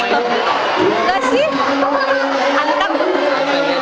jadi dia udah pas udah udah biasa lagi